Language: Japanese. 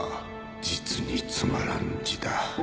実につまらん字だ